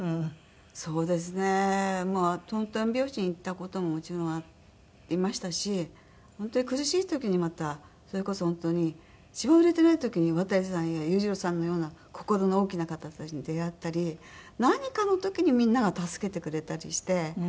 そうですねまあトントン拍子にいった事ももちろんありましたし本当に苦しい時にまたそれこそ本当に一番売れてない時に渡さんや裕次郎さんのような心の大きな方たちに出会ったり何かの時にみんなが助けてくれたりして。